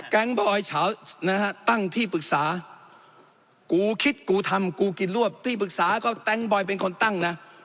บอยเฉานะฮะตั้งที่ปรึกษากูคิดกูทำกูกินรวบที่ปรึกษาก็แก๊งบอยเป็นคนตั้งนะ